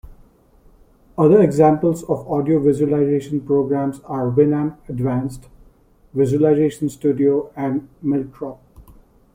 Other examples of audio visualization programs are Winamp Advanced Visualization Studio and MilkDrop.